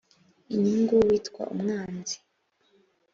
inyungu witwa umwanzi